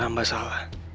hamba sadar hamba salah